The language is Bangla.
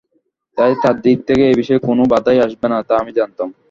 তাই তার দিক থেকে এ বিষয়ে যে কোনো বাঁধাই আসবে না তা আমি জানতাম।